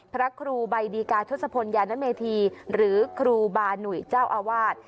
พระครูใบดีกาทศพลยานเมธีหรือครูบาหนุ่ยเจ้าอาวาส